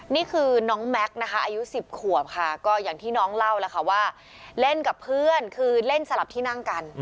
นี่คือน้องแม็กซ์นะคะอายุ๑๐ขวบค่ะก็อย่างที่น้องเล่าแล้วค่ะว่าเล่นกับเพื่อนคือเล่นสลับที่นั่งกัน